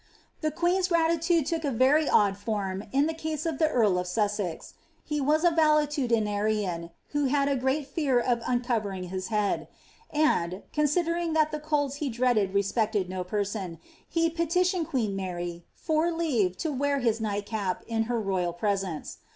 The queen's gratitude look a very odil form in the caae <rf | the earl of Sussex : he was a Weiudinarian, who had a great fear <)f ] uncovering his head; and, considering that the colds he dreaded IVtJ ■peeled no person, he petitioned queen Mary for leave lo wear his nighfrtl CSp in her royal piesence.